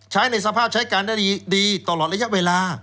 ใช้ในสภาพใช้การได้ดีตลอดระยะเวลา